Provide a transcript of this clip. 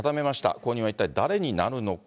後任は一体誰になるのか。